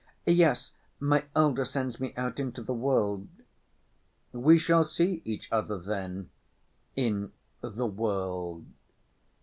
"Yes, my elder sends me out into the world." "We shall see each other then in the world.